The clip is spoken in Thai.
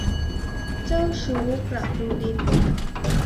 เจ้าชู้ประตูดิน